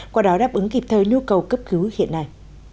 qua đó đáp ứng kịp thời nhu cầu cấp cứu hiện nay